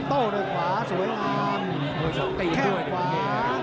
โต้ด้วยขวาสวยงามแค้นด้วย